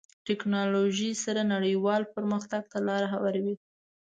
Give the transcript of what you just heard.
ټکنالوژي سره نړیوال پرمختګ ته لاره هواروي.